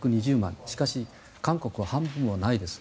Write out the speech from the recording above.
しかし、韓国は半分もないです。